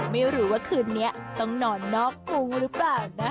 ไม่รู้ว่าคืนนี้ต้องหนอนนอกกูรึเปล่านะคะเนี่ย